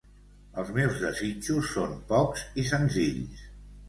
Els meus desitjos són pocs i senzills.